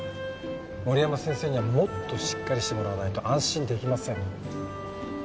森山先生にはもっとしっかりしてもらわないと安心出来ません。